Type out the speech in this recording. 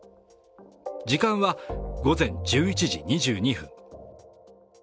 時間は午前１１時２２分。